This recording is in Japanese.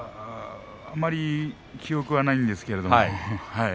あまり記憶はないんですけれども。